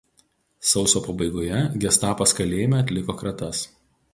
Sausio pabaigoje gestapas kalėjime atliko kratas.